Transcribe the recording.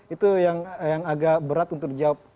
itu yang agak berat untuk dijawab